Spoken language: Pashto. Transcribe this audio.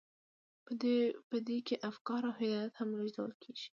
په دې کې افکار او هدایات هم لیږدول کیږي.